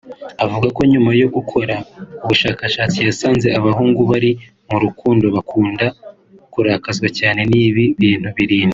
avuga ko nyuma yo gukora ubushakashatsi yasanze abahungu bari mu rukundo bakunda kurakazwa cyane n’ibi bintu birindwi